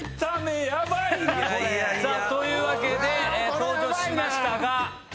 というわけで登場しましたが。